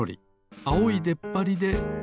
あおいでっぱりでクルリ。